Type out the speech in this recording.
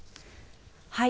はい。